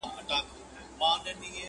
د موږك او د پيشو په منځ كي څه دي!.